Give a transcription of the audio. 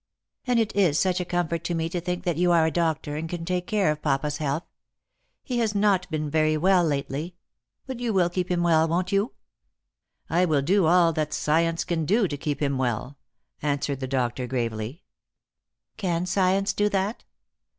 " And it is such a comfort to me to think that you are a doctor, and can take care of papa's health. He has not been very well lately. But you will keep him well, won't you ?' Jjost for Love. 21 "I will do all tliat science can do to keep him well," answered the doctor gravely. " Can science do that?